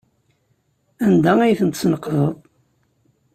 Anda ay tent-tesneqdeḍ?